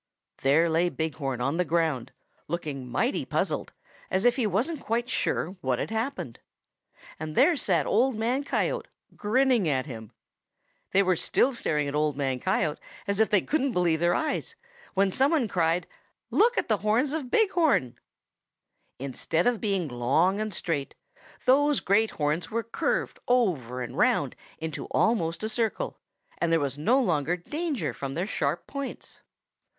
There lay Big Horn on the ground, looking mighty puzzled, as if he wasn't quite sure what had happened. And there sat Old Man Coyote, grinning at him! They were still staring at Old Man Coyote as if they couldn't believe their own eyes when some one cried, 'Look at the horns of Big Horn!' "Instead of being long and straight, those great horns were curved over and round into almost a circle, and there was no longer danger from their sharp points.